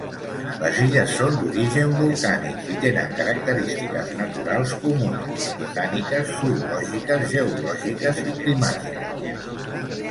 Les illes són d'origen volcànic i tenen característiques naturals comunes: botàniques, zoològiques, geològiques i climàtiques.